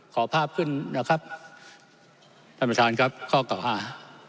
ขอภาพขึ้นนะครับท่านประธานครับข้อเก่าหา